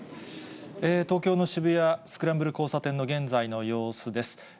東京の渋谷、スクランブル交差点の現在の様子です。